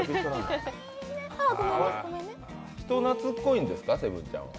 人なつこいんですか、セブンちゃんは。